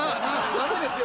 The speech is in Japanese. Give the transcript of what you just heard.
ダメですよ！